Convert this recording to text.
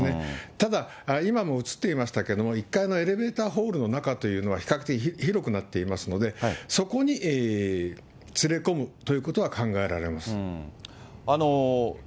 ただ、今も映っていましたけれども、１階のエレベーターホールの中というのは、比較的広くなっていますので、そこに連れ込むということは考えられます。